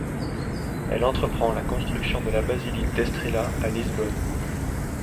Elle entreprend la construction de la basilique d'Estrela à Lisbonne.